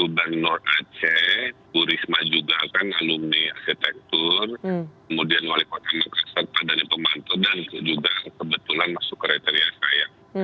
gubang nor aceh kurisma juga kan alumi arsitektur kemudian wali kota nusantara padani pemantau dan juga kebetulan masuk kriteria saya